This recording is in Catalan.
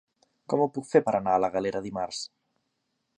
Com ho puc fer per anar a la Galera dimarts?